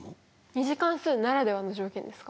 ２次関数ならではの条件ですか？